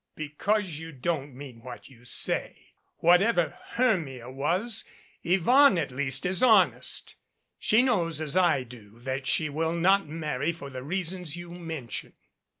"Because you don't mean what you say. Whatever Hermia was Yvonne at least is honest. She knows as I do that she will not marry for the reasons you mention."